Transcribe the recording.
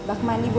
aku punya ide